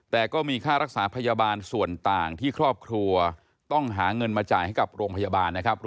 แต่ก็มีค่ารักษาพยาบาลส่วนต่างที่ครอบครัวต้องหาเงินมาจ่ายให้กับโรงพยาบาลนะครับ